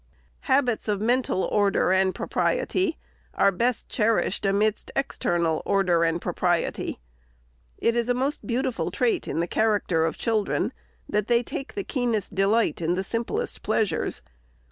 Habits of mental order and propriety are best cherished amidst external order and propriety. It is a most beautiful trait in the ON SCHOOLHOUSES. 467 character of children, that they take the keenest delight in the simplest pleasures.